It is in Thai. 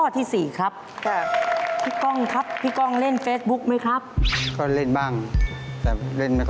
ยินดียินดียินดีแบบแบบแบบแบบ